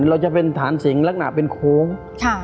เราจะเป็นฐานสิ่งลักหน้าเป็นโค้งครับ